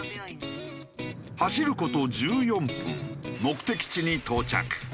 走る事１４分目的地に到着。